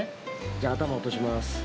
じゃあ頭落とします。